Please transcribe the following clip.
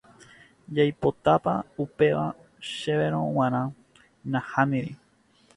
Jaipotápa upéva chéverõ g̃uarã nahániri.